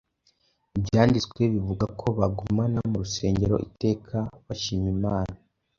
Ibyanditswe bivuga ko “bagumaga mu rusengero iteka bashima Imana.